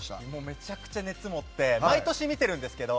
めちゃくちゃ熱持って毎年見てるんですけど。